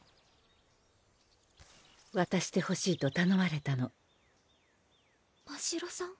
わたしてほしいとたのまれたのましろさん？